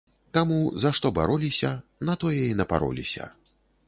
Таму за што бароліся, на тое і напароліся.